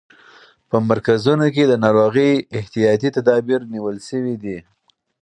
په مرکزونو کې د ناروغۍ احتیاطي تدابیر نیول شوي دي.